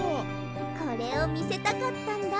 これをみせたかったんだ！